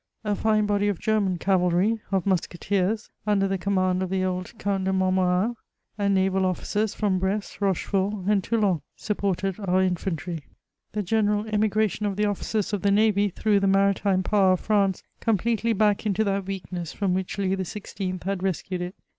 A fine body of German cavalry, of musketeers, under the command of the old Count de Montmorin, and naval officers from Brest, Aochefort, and Toulon, supported our infantry. The general emigration of the officers of the navy threw the maritime power of France completely back into that weakness from which Louis XYI. had rescued it.